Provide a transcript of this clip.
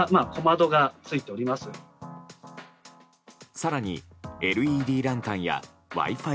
更に、ＬＥＤランタンやＷｉ−Ｆｉ